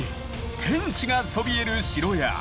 天守がそびえる城や。